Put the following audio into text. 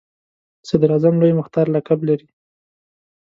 صدراعظم لوی مختار لقب لري.